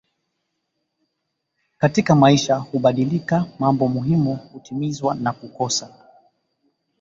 katika maisha hubadilika mambo muhimu hutimizwa na kukosa